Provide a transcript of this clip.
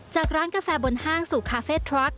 ร้านกาแฟบนห้างสู่คาเฟ่ทรัค